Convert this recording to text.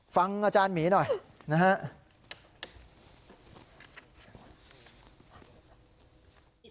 ฟังอาจารย์หมีหน่อยนะครับ